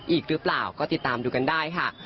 อีกหรือเปล่าก็ติดตามดูกันได้ค่ะ